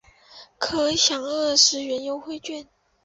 可享二十元优惠